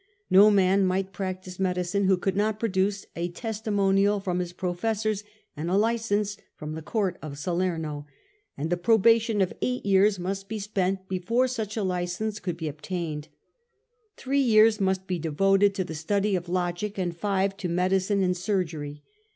No man might practise medicine who could not produce a testimonial from his professors and a licence from the Court of Salerno, and a probation of eight years must be spent before such a licence could be obtained : three years must be devoted to the study of logic and five to medicine and surgery.